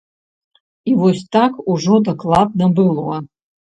І вось так ужо дакладна было.